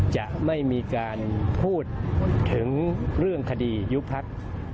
จะไม่มีการพูดถึงเรื่องคดียุบพัก